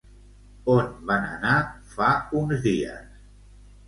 On van anar fa uns dies?